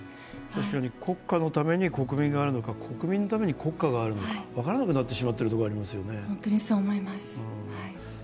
確かに国家のために国民があるのか国民のために国家があるのか分からなくなってしまっているところがありますよね。